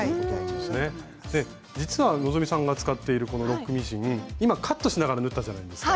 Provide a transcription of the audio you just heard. で実は希さんが使っているこのロックミシン今カットしながら縫ったじゃないですか。